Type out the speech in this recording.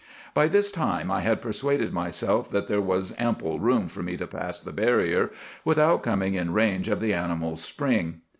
"By this time I had persuaded myself that there was ample room for me to pass the barrier without coming in range of the animal's spring.